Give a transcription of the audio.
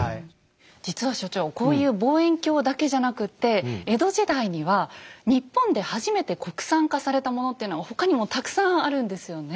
実は所長こういう望遠鏡だけじゃなくって江戸時代には日本で初めて国産化されたものっていうのは他にもたくさんあるんですよね。